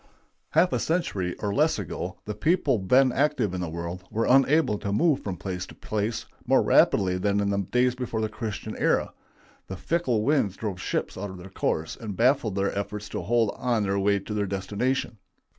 Half a century or less ago, the people then active in the world were unable to move from place to place more rapidly than in the days before the Christian era. The fickle winds drove ships out of their course and baffled their efforts to hold on their way to their destination.